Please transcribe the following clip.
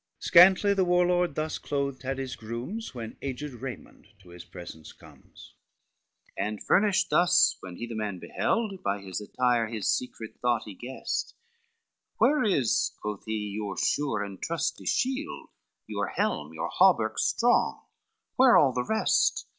Scantly the warlord thus clothed had his gromes, When aged Raymond to his presence comes. XXI And furnished to us when he the man beheld, By his attire his secret thought he guessed, "Where is," quoth he, "your sure and trusty shield? Your helm, your hauberk strong? where all the rest?